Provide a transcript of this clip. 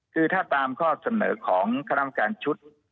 คือถ้าตามข้อเสนอของคณะกรรมการชุด